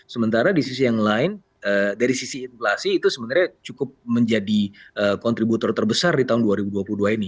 sementara di sisi yang lain dari sisi inflasi itu sebenarnya cukup menjadi kontributor terbesar di tahun dua ribu dua puluh dua ini